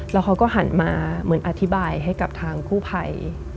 แล้วเขาก็หันมาเหมือนอธิบายให้กับทางกู้ภัย